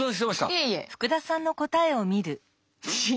いえいえ。